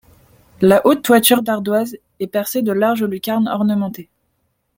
La haute toiture d'ardoise est percée de larges lucarnes ornementées.